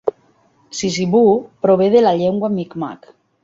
Sissiboo prové de la llengua Mi'kmaq.